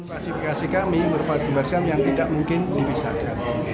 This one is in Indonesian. kondisi pemisahan bayi kembarsiam ini tidak mungkin dipisahkan